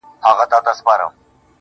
• زما په مرگ دي خوشالي زاهدان هيڅ نکوي.